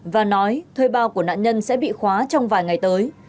và nói thuê bao của nạn nhân sẽ bị khóa trong vài ngày tới